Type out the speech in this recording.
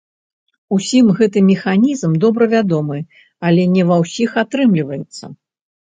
Усім гэты механізм добра вядомы, але не ва ўсіх атрымліваецца.